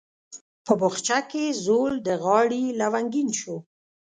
په بخچه کې زوړ د غاړي لونګین شو